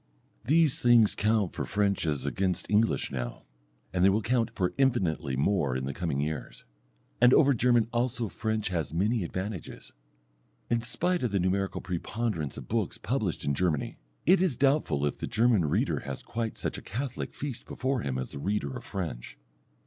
These things count for French as against English now, and they will count for infinitely more in the coming years. And over German also French has many advantages. In spite of the numerical preponderance of books published in Germany, it is doubtful if the German reader has quite such a catholic feast before him as the reader of French.